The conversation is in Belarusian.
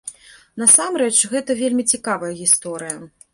Насамрэч гэта вельмі цікавая гісторыя.